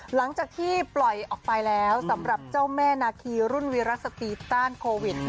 หลังจากที่ปล่อยออกไปแล้วสำหรับเจ้าแม่นาคีรุ่นวีรสตีต้านโควิด